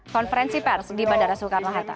konferensi pers di bandara soekarno hatta